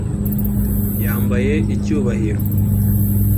Yambaye Icyubahiro